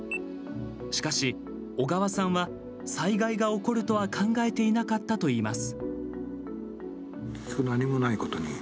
しかし、小川さんは災害が起こるとは考えていなかったといいます。